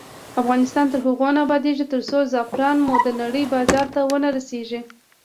افغانستان تر هغو نه ابادیږي، ترڅو زعفران مو د نړۍ بازار ته ونه رسیږي.